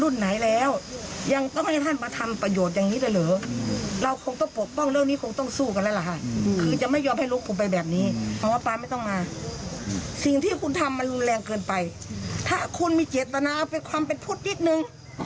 เจตนาเป็นความเป็นพุทธนิดหนึ่ง